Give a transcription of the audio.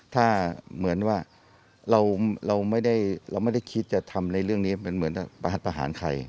ถ้าเหมือนว่าเราไม่ได้คิดจะทำในเรื่องนี้เหมือนประหัสประหารใคร